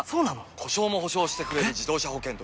故障も補償してくれる自動車保険といえば？